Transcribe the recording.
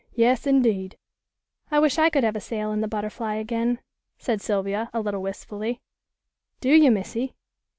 Yas, indeed." "I wish I could have a sail in the Butterfly again," said Sylvia, a little wistfully. "Do you, Missy?